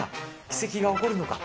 奇跡が起こるのか。